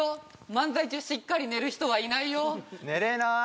漫才中しっかり寝る人はいないよ寝れない！